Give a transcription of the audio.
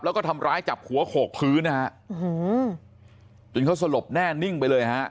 แล้วก็ทำร้ายจับหัวโขกพื้นนะฮะจนเขาสลบแน่นิ่งไปเลยฮะ